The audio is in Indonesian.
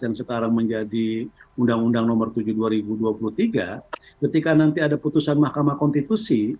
yang sekarang menjadi undang undang nomor tujuh dua ribu dua puluh tiga ketika nanti ada putusan mahkamah konstitusi